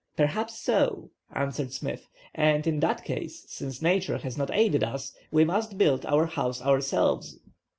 "Perhaps so," answered Smith, "and in that case, since Nature has not aided us, we must build our house ourselves."